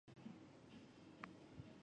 毛翼管鼻蝠属等之数种哺乳动物。